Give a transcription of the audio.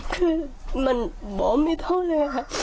คือมันบอกไม่เท่าเลยค่ะ